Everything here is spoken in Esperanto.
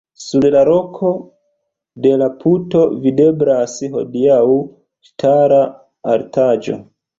Sur la loko de la puto videblas hodiaŭ ŝtala artaĵo.